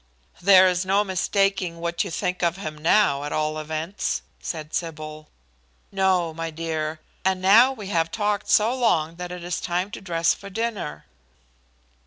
"There is no mistaking what you think of him now, at all events," said Sybil. "No, my dear. And now we have talked so long that it is time to dress for dinner."